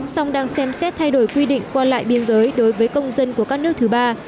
song đang xem xét thay đổi quy định qua lại biên giới đối với công dân của các nước thứ ba